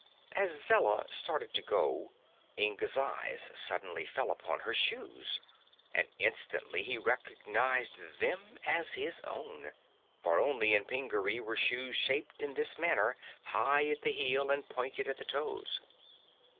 As Zella started to go, Inga's eyes suddenly fell upon her shoes and instantly he recognized them as his own. For only in Pingaree were shoes shaped in this manner: high at the heel and pointed at the toes.